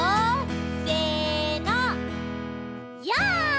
せの。